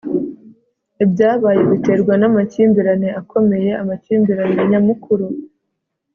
ibyabaye biterwa namakimbirane akomeye. amakimbirane nyamukuru